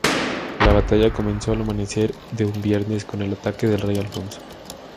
La batalla comenzó al amanecer de un viernes, con el ataque del rey Alfonso.